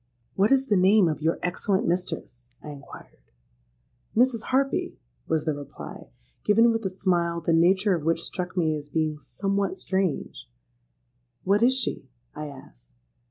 'What is the name of your excellent mistress?' I inquired.—'Mrs. Harpy,' was the reply, given with a smile the nature of which struck me as being somewhat strange.—'What is she?' I asked.